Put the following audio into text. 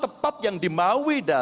sebagaimana saya menurut anda